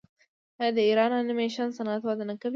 آیا د ایران انیمیشن صنعت وده نه کوي؟